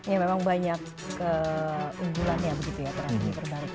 ini memang banyak keunggulannya begitu ya terapi